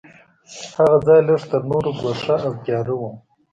هغه ځای لږ تر نورو ګوښه او تیاره و.